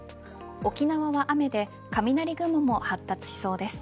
沖縄は雨で雷雲も発達しそうです。